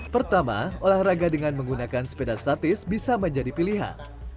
pertama olahraga dengan menggunakan sepeda statis bisa menjadi pilihan